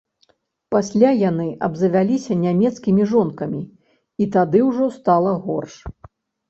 Пасля яны абзавяліся нямецкімі жонкамі, і тады ўжо стала горш.